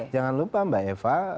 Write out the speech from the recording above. jangan lupa mbak eva